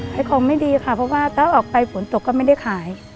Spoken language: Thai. ขายของไม่ดีค่ะเพราะว่าถ้าออกไปฝนตกก็ไม่ได้ขาย